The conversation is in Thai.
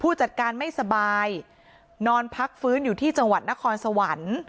จัดการไม่สบายนอนพักฟื้นอยู่ที่จังหวัดนครสวรรค์